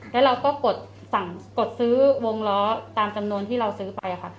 แล้วเราก็กดสั่งกดซื้อวงล้อตามจำนวนที่เราซื้อไปค่ะ